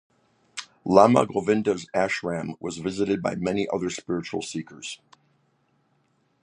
Lama Govinda's ashram was visited by many other spiritual seekers.